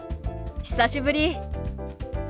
久しぶり。